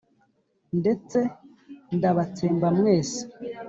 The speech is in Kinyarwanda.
Ndetse ndabatsemba mwese.»